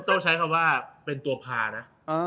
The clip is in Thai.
ต้องใช้คำว่าเป็นตัวพานะ